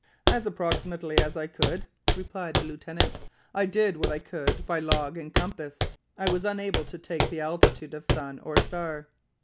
"As approximately as I could," replied the lieutenant; "I did what I could by log and compass. I was unable to take the altitude of sun or star."